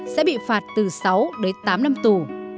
sẽ bị phạt từ sáu đến tám năm tù